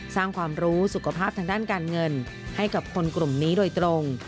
สร้างความรู้สุขภาพทางด้านการเงินให้กับคนกลุ่มนี้โดยตรง